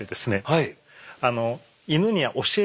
はい。